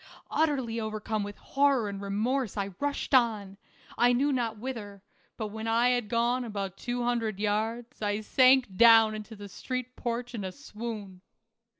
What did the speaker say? Utterly overcome with horror and remorse I rushed on, I knew not whither, but when I had gone about two hundred yards, I sank down on the street porch in a swoon.